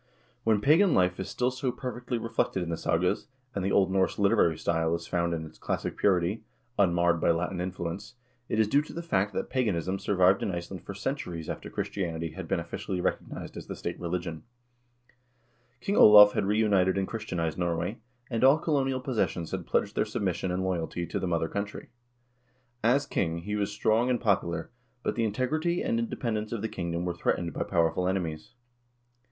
When pagan life is still so perfectly vol. i — o 194 HISTORY OF THE NORWEGIAN PEOPLE reflected in the sagas, and the Old Norse literary style is found in its classic purity, unmarred by Latin influence, it is due to the fact that paganism survived in Iceland for centuries after Christianity had been officially recognized as the state religion. King Olav had reunited and Christianized Norway, and all colonial possessions had pledged their submission and loyalty to the mother country. As king he was strong and popular, but the integrity and independence of the kingdom were threatened by powerful enemies.